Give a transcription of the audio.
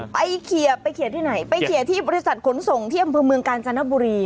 ไปเคลียร์ไปเขียนที่ไหนไปเคลียร์ที่บริษัทขนส่งที่อำเภอเมืองกาญจนบุรี